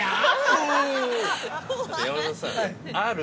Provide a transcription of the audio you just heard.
ある！